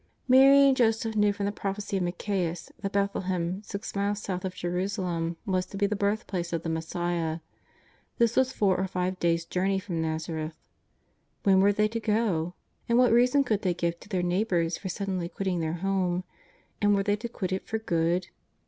Mary and Joseph knew from the prophecy of Micheas that Bethlehem, six miles south of Jerusalem, was to be the birthplace of the Messiah. This was four or five days' journey from ^N'azareth. When were they to go? And what reason could they give to their neigh bours for suddenly quitting their home? And were they to quit it for good